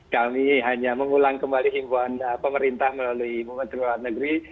kami hanya mengulang kembali himpuan pemerintah melalui bu menteri luar negeri